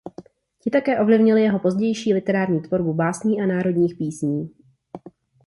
Ti také ovlivnili jeho pozdější literární tvorbu básní a národních písní.